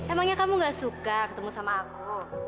emangnya kamu gak suka ketemu sama aku